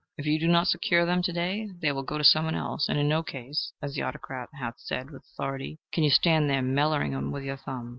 If you do not secure them to day, they will go to some one else, and in no case, as the Autocrat hath said with authority, can you stand there "mellering 'em with your thumb."